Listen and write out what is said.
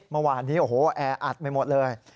เมื่อวานนี้โอ้โหแออัดไปหมดเลย